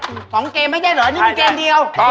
หลอกเกมไม่ใช่เหรอนี่มันเกมเดียวเจ้าปรอก